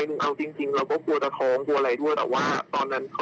มีด้วยงานที่เราทำคือเราเจอคนเยอะเราเจอเจ้านายหลายคนอะไรอย่างนี้